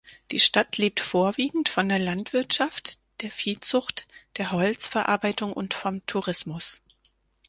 Die Stadt lebt vorwiegend von der Landwirtschaft, der Viehzucht, der Holzverarbeitung und vom Tourismus.